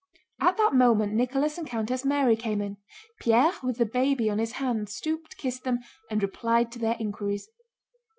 At that moment Nicholas and Countess Mary came in. Pierre with the baby on his hand stooped, kissed them, and replied to their inquiries.